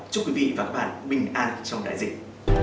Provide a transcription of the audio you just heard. chúc quý vị và các bạn bình an trong đại dịch